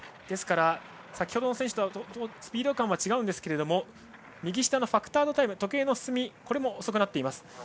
ですから、先ほどの選手とスピード感は違いますが右下のファクタードタイム時計の進みこれも遅くなっています。